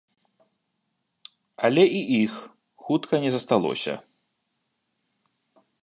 Але і іх хутка не засталося.